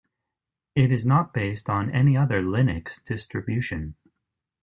It is not based on any other Linux distribution.